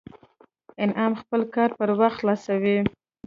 انعام خپل کار پر وخت خلاصوي